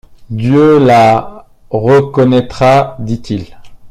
Dieu la reconnaîtra », dit-il.